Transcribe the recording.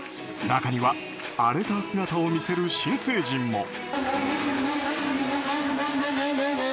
中には荒れた姿を見せる新成人も。